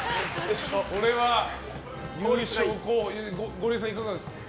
ゴリエさん、いかがですか？